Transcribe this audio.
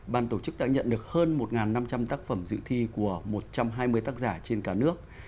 ban tổ chức đã nhận được hơn một năm trăm linh tác phẩm dự thi của một trăm hai mươi tác giả trên cả nước